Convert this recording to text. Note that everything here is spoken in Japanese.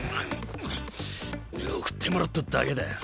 送ってもらっただけだよ。